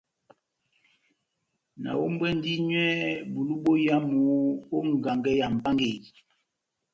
Nahombwɛndi nywɛ bulu boyamu ó ngangɛ ya Mʼpángeyi.